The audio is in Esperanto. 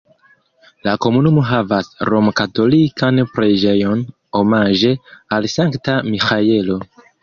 La komunumo havas romkatolikan preĝejon omaĝe al Sankta Miĥaelo.